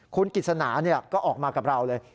คุณกิจสนาก็ออกมากับเราเลย